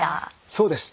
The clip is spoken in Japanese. そうです！